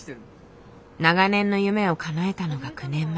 長年の夢をかなえたのが９年前。